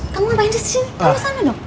kamu ngapain di sini kamu sana dong